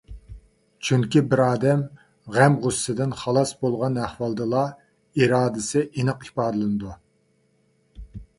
چۈنكى، بىر ئادەم غەم ـ غۇسسىدىن خالاس بولغان ئەھۋالدىلا ئىرادىسى ئېنىق ئىپادىلىنىدۇ.